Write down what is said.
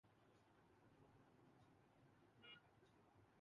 یہاں کے سرکاری ہسپتال بہت بہتر ہیں۔